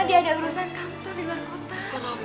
dikira oleh oleh nak